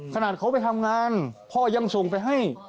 ขนาดเขาไปทำงานพ่อยังส่งไปให้